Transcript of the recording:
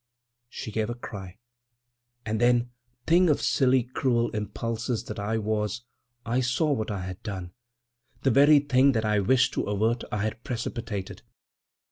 She gave a cry. And then, thing of silly, cruel impulses that I was, I saw what I had done. The very thing that I wished to avert I had precipitated.